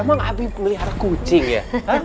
emang abi melihat kucing ya